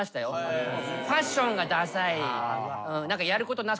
ファッションがださい。